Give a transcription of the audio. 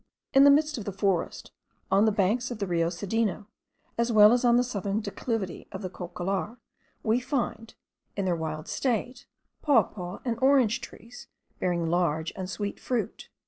In the midst of the forest, on the banks of the Rio Cedeno, as well as on the southern declivity of the Cocollar, we find, in their wild state, papaw and orange trees, bearing large and sweet fruit.